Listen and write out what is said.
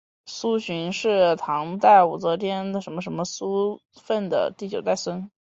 苏洵是唐朝武则天在位时的宰相苏味道之子苏份的第九代孙。